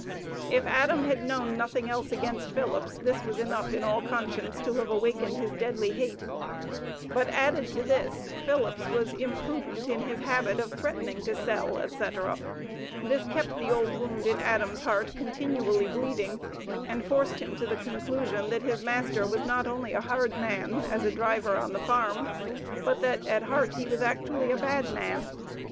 If Adam had known nothing else against Phillips, this was enough in all conscience to have awakened his deadly hate; but, added to this, Phillips was imprudent in his habit of threatening to "sell," etc. This kept the old wound in Adam's heart continually bleeding and forced him to the conclusion, that his master was not only a hard man, as a driver on the farm, but that at heart he was actually a bad man.